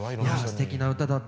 すてきな歌だった。